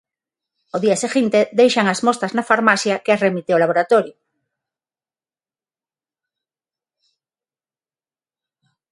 Ao día seguinte deixan as mostas na farmacia que as remite ao laboratorio.